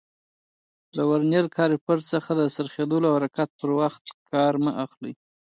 له ورنیر کالیپر څخه د څرخېدلو او حرکت پر وخت کار مه اخلئ.